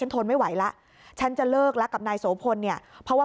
ก็ไหวแล้วฉันจะเลิกรักกับนายสวพนธ์เนี่ยเพราะว่า